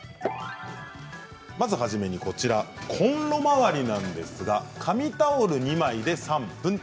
まず初めにコンロ周りなんですが紙タオル２枚で３分。